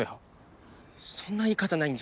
そんな言い方ないんじゃ。